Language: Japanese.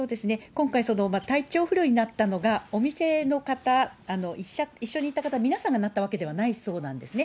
今回、体調不良になったのがお店の方、一緒にいた方、皆さんがなったわけではないそうなんですね。